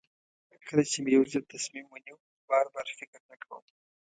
کله چې مې یو ځل تصمیم ونیو بار بار فکر نه کوم.